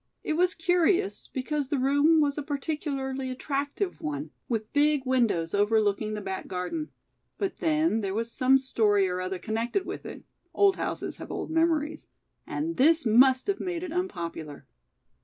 It was curious because the room was a particularly attractive one, with big windows overlooking the back garden, but then there was some story or other connected with it (old houses have old memories) and this must have made it unpopular.